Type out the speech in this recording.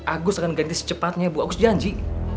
agus akan ganti secepatnya bu aku sejanji